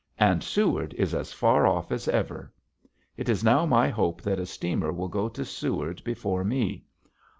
And Seward is as far off as ever! It is now my hope that a steamer will go to Seward before me.